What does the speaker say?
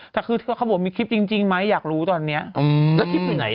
แต่คือเขาบอกมีคลิปจริงมั้ยอยากรู้ตอนเนี้ย